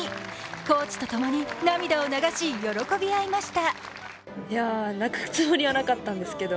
コーチとともに、涙を流し、喜び合いました。